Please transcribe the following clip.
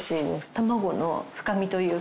たまごの深みというか。